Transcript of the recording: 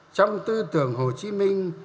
trong tư tưởng hồ chí minh